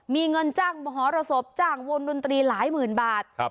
มีเงินจ้างมหรสบจ้างวงดนตรีหลายหมื่นบาท